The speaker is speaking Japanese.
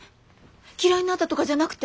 嫌いになったとかじゃなくて？